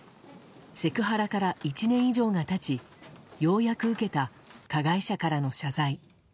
セクハラから１年以上が経ちようやく受けた加害者からの謝罪。